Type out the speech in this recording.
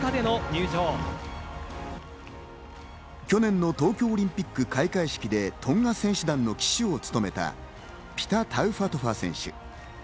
去年の東京オリンピック開会式でトンガ選手団の旗手を務めたピタ・タウファトファ選手。